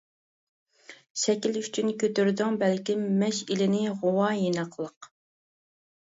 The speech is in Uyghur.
شەكىل ئۈچۈن كۆتۈردۈڭ بەلكىم، مەشئىلىنى غۇۋا يېنىقلىق.